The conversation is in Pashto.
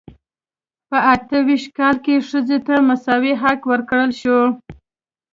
په اته ویشت کال کې ښځو ته مساوي حق ورکړل شو.